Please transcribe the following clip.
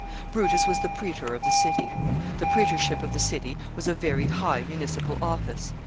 ] Brutus was the praetor of the city. The praetorship of the city was a very high municipal office.